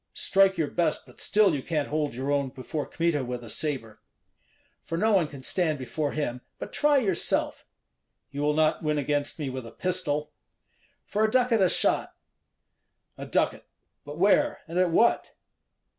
Strike your best, but still you can't hold your own before Kmita with a sabre." "For no one can stand before him; but try yourself." "You will not win against me with a pistol." "For a ducat a shot." "A ducat! But where and at what?"